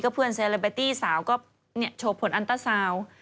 ก็เพื่อนเซเลเบตตี้สาวก็เนี่ยโชว์ผลอันตราสาว